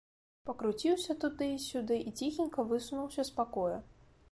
Пакруціўся туды і сюды і ціхенька высунуўся з пакоя.